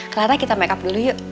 clara kita makeup dulu yuk